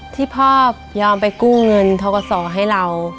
ที่พ่อยอมไปกู้เงินทกศให้เรา